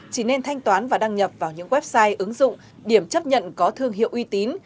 chỉ nên thanh toán và đăng nhập vào những website ứng dụng điểm chấp nhận có thương hiệu uy tín